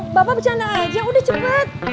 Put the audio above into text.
bapak bercanda aja udah cepet